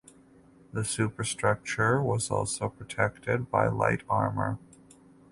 The superstructure was also protected by light armour.